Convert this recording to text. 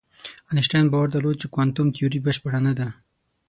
انشتین باور درلود چې کوانتم تیوري بشپړه نه ده.